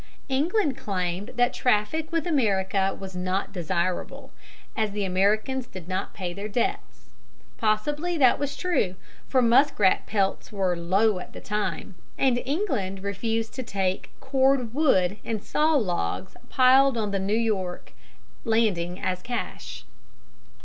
England claimed that traffic with America was not desirable, as the Americans did not pay their debts. Possibly that was true, for muskrat pelts were low at that time, and England refused to take cord wood and saw logs piled on the New York landing as cash.